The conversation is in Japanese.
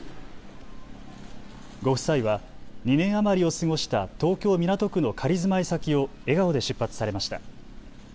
ご夫妻は２年余りを過ごした東京港区の仮住まい先を笑顔で出発されました。